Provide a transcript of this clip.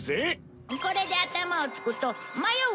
これで頭を突くと迷う